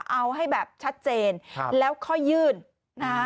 เอาให้แบบชัดเจนแล้วค่อยยื่นนะฮะ